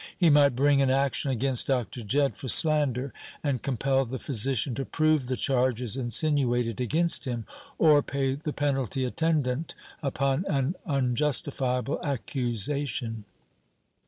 He might bring an action against Dr. Jedd for slander, and compel the physician to prove the charges insinuated against him, or pay the penalty attendant upon an unjustifiable accusation.